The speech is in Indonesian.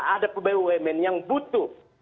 ada pbumn yang butuh